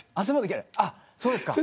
あっそうですか。